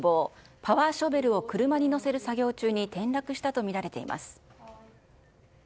パワーショベルを車に載せる作業中に転落したとみられています。